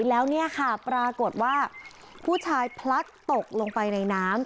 แล้วเนี่ยค่ะปรากฏว่าผู้ชายพลัดตกลงไปในน้ำ